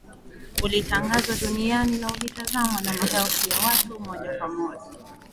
Ulitangazwa duniani na ulitazamwa na maelfu ya watu moja kwa moja